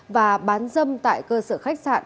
và bán dâm tại cơ sở khách sạn